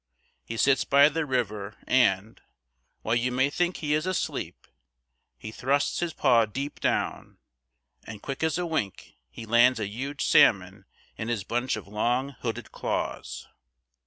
He sits by the river and, while you may think he is asleep, he thrusts his paw deep down, and, quick as wink, he lands a huge salmon in his bunch of long, hooded claws.